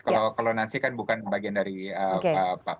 kalau nancy kan bukan bagian dari pemerintahan